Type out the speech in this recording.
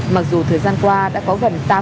mặc dù thời gian qua đã có gần